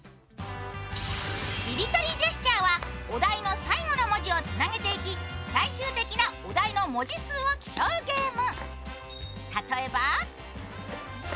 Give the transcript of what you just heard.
しりとりジェスチャーはお題の最後の文字をつなげていき最終的なお題の文字数を競うゲーム。